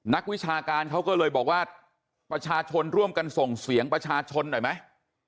วิชาการเขาก็เลยบอกว่าประชาชนร่วมกันส่งเสียงประชาชนหน่อยไหม